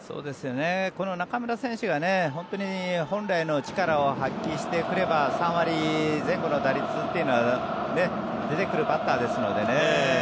この中村選手が本当に本来の力を発揮してくれば３割前後の打率というのは出てくるバッターですのでね。